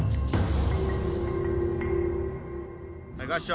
はい合掌！